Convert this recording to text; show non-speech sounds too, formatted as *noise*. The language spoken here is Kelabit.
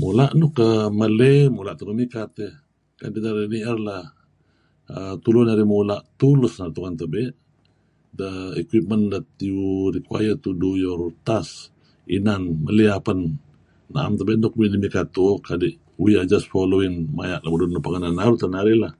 Mula' nuk err meley mula' teh nuk mikat iih. Tak narih ni'er lah err tulu narih mula' *unintelligible* tebey the equipment that you require to do your task inan, meley apen na'em tebe' nuk midih mikat tu'uh kadi' we are just following, maya' lemulun nuk pengeh neh naru' teh narih lah.